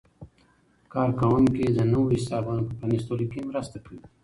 کارکوونکي د نویو حسابونو په پرانیستلو کې مرسته کوي.